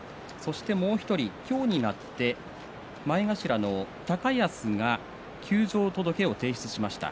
もう１人、今日になって前頭の高安が休場届を提出しました。